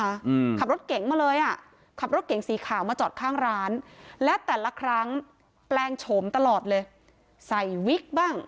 อืมขับรถเก๋งมาเลยอ่ะขับรถเก๋งสีขาวมาจอดข้างร้านและแต่ละครั้งแปลงโฉมตลอดเลยใส่วิกบ้าง